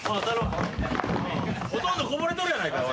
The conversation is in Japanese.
ほとんどこぼれとるやないか。